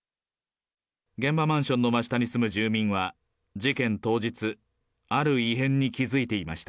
現場マンションの真下に住む住民は、事件当日、ある異変に気付いていました。